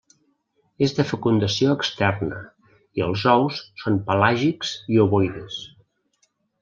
És de fecundació externa i els ous són pelàgics i ovoides.